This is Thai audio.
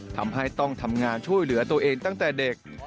ทำให้ต้องทำงานช่วยเหลือตัวเองตั้งแต่เด็ก